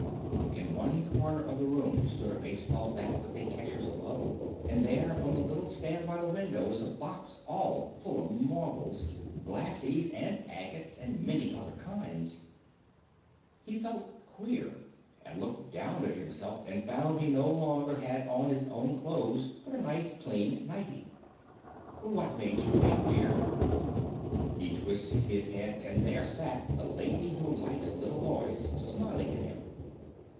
In one corner of the room stood a baseball bat with a catcher's glove, and there on the little stand by the window was a box all full of marbles, "glassies" and agates and many other kinds. He felt queer and looked down at himself and found he no longer had on his own clothes but a nice clean nighty. "What made you wake, dear?" He twisted his head and there sat the Lady Who Likes Little Boys, smiling at him.